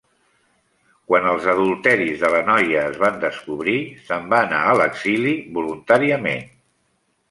Quan els adulteris de la noia es van descobrir, se'n va anar a l'exili voluntàriament.